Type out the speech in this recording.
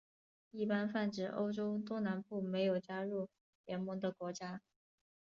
一般泛指欧洲东南部没有加入欧盟的国家。